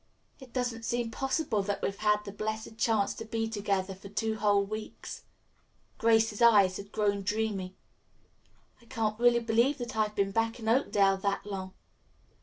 "It doesn't seem possible that we've had the blessed chance to be together for two whole weeks." Grace's eyes had grown dreamy. "I can't really believe that I've been back in Oakdale that long.